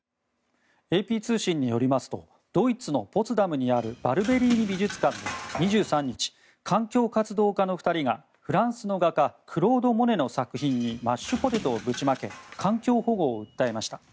ＡＰ通信によりますとドイツのポツダムにあるバルベリーニ美術館で２３日、環境活動家の２人がフランスの画家クロード・モネの作品にマッシュポテトをぶちまけ環境保護を訴えました。